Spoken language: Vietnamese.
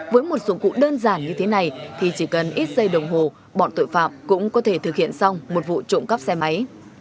với một dụng cụ đơn giản như thế này thì chỉ cần ít giây đồng hồ bọn tội phạm cũng có thể thực hiện xong một vụ trộm cắp xe máy